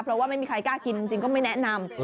เพราะว่าไม่มีใครกล้ากินจริงก็ไม่แนะนำ